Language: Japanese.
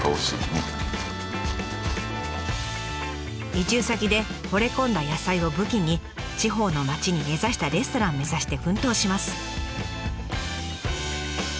移住先でほれ込んだ野菜を武器に地方の町に根ざしたレストラン目指して奮闘します。